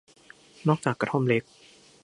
นอกจากกระท่อมเล็ก